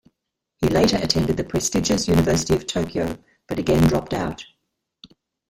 He later attended the prestigious University of Tokyo, but again dropped out.